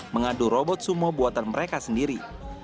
mengadu robot sumo buatan mereka sendiri